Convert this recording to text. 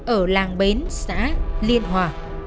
ở làng bến xã liên hòa